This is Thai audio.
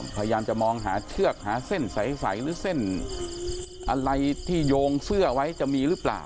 พยายามจะมองหาเชือกหาเส้นใสหรือเส้นอะไรที่โยงเสื้อไว้จะมีหรือเปล่า